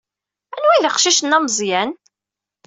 Anwa ay d aqcic-nni ameẓyan?